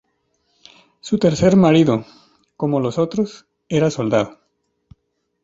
Su tercer marido, como los otros, era soldado.